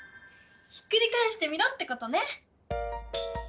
ひっくりかえしてみろってことね！